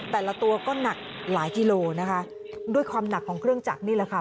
แต่ละตัวก็หนักหลายกิโลนะคะด้วยความหนักของเครื่องจักรนี่แหละค่ะ